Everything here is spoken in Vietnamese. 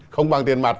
không bằng tiền mặt